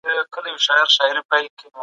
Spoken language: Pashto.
آيا د کتاب او چاپېريال لوستنه اړينه ده؟